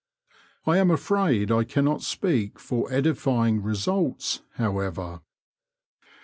I am afraid I cannot speak for edifying results, however.